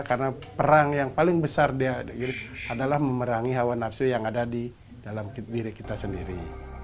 karena perang yang paling besar adalah memerangi hawa nafsu yang ada di dalam diri kita sendiri